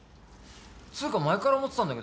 つうか前から思ってたんだけどよ